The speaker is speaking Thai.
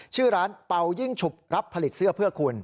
ชื่อร้านเป่ายิ่งฉุบรับผลิตเสื้อเพื่อคุณ